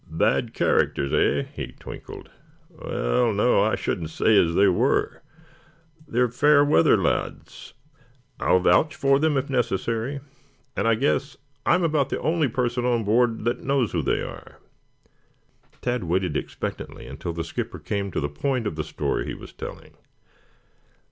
"Bad characters, eh?" he twinkled. "Well, no, I shouldn't say as they were. They're fair weather lads. I'll vouch for them if necessary, and I guess I'm about the only person on board that knows who they are." Tad waited expectantly until the skipper came to the point of the story he was telling.